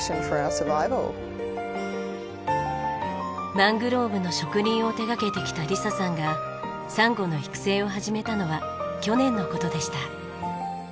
マングローブの植林を手掛けてきたリサさんがサンゴの育成を始めたのは去年の事でした。